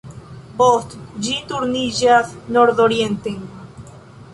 Poste ĝi turniĝas nordorienten.